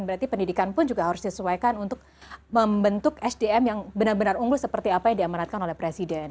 berarti pendidikan pun juga harus disesuaikan untuk membentuk sdm yang benar benar unggul seperti apa yang diamanatkan oleh presiden